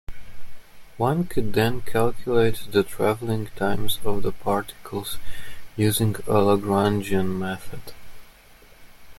One could then calculate the traveling times of the particles using a Lagrangian method.